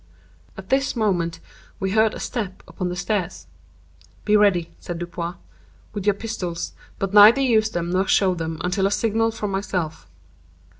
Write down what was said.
'" At this moment we heard a step upon the stairs. "Be ready," said Dupin, "with your pistols, but neither use them nor show them until at a signal from myself."